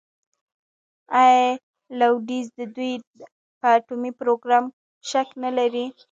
آیا لویدیځ د دوی په اټومي پروګرام شک نلري؟